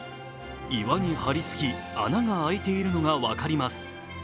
岩に張り付き、穴が開いているのが分かります。